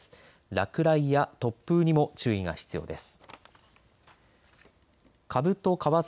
落雷や突風にも注意が必要です。